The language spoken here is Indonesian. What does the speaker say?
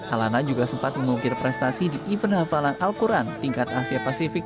alana juga sempat memungkir prestasi di ipen hapalan al quran tingkat asia pasifik